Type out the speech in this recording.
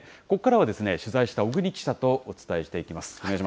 ここからは、取材した小國記者とお伝えしていきます。